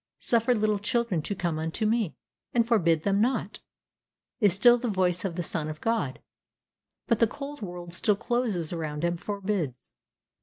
"Suffer little children to come unto me, and forbid them not," is still the voice of the Son of God; but the cold world still closes around and forbids.